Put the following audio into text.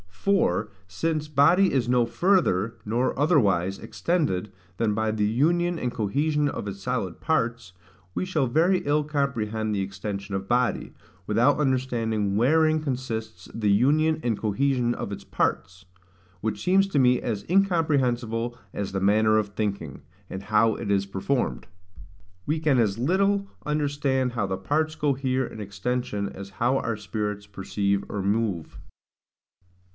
For, since body is no further, nor otherwise, extended, than by the union and cohesion of its solid parts, we shall very ill comprehend the extension of body, without understanding wherein consists the union and cohesion of its parts; which seems to me as incomprehensible as the manner of thinking, and how it is performed. We can as little understand how the parts cohere in extension as how our spirits perceive or move.